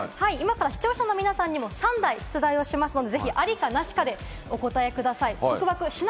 視聴者の皆さんにも３題出題しますので、「あり」か「なし」かでお答えください。